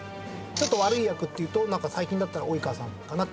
ちょっと悪い役っていうと最近だったら及川さんかな。